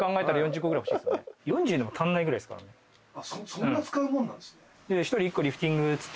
そんな使うもんなんですか？